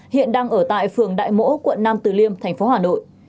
hiện đang ở tại phường đại mỗ quận nam từ liêm tp hà nội